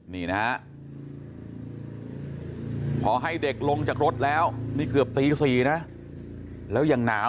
นี่นะฮะพอให้เด็กลงจากรถแล้วนี่เกือบตี๔นะแล้วยังหนาว